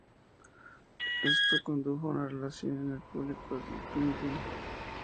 Esto condujo a una reducción en el uso público del "pinyin".